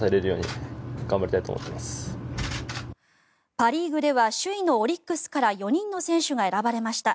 パ・リーグでは首位のオリックスから４人の選手が選ばれました。